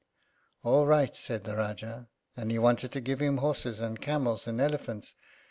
"All right," said the Rájá, and he wanted to give him horses, and camels, and elephants.